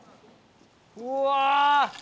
うわ！